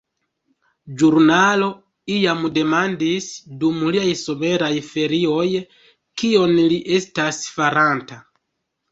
Ĵurnalo iam demandis, dum liaj someraj ferioj, kion li estas faranta.